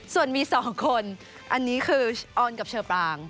ส่วนมี๒คนอันนี้คือออนกับเชอปราง